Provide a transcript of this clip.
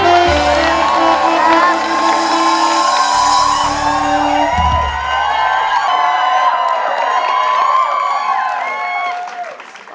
สวัสดีครับ